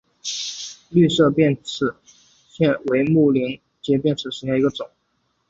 绿色变齿藓为木灵藓科变齿藓属下的一个种。